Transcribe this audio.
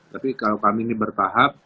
tapi kalau kami ini bertahap